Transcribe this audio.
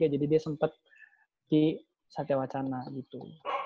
jadi dia sempet di satya wacana gitu